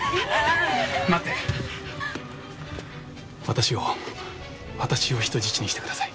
私を私を人質にしてください。